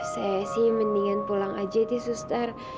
saya mending pulang aja sih suster